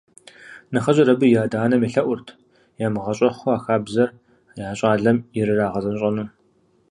Нэхъыжьыр абы и адэ-анэм елъэӀурт, ямыгъэщӀэхъуу а хабзэр я щӀалэм ирырагъэзэщӀэну.